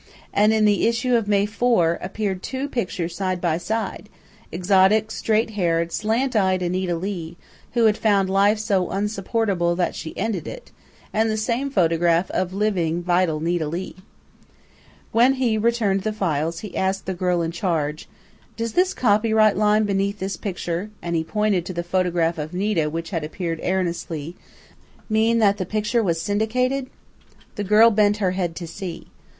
And in the issue of May 4 appeared two pictures side by side exotic, straight haired, slant eyed Anita Lee, who had found life so insupportable that she had ended it, and the same photograph of living, vital Nita Leigh. When he returned the files he asked the girl in charge: "Does this copyright line beneath this picture " and he pointed to the photograph of Nita which had appeared erroneously, " mean that the picture was syndicated?" The girl bent her head to see.